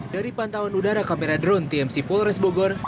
dari pantauan udara kamera drone tmc polres bogor